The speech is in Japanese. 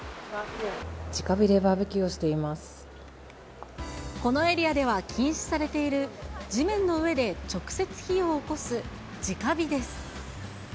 じか火でバーベキューをしてこのエリアでは禁止されている、地面の上で直接火をおこすじか火です。